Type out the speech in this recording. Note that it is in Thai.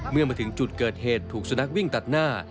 เมื่อมาถึงจุดเกิดเหตุถูกสุนัขวิ่งตัดหน้า